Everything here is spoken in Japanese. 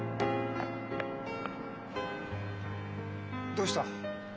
どうした？